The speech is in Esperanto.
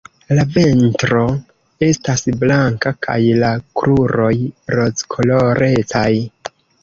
La ventro estas blanka kaj la kruroj rozkolorecaj.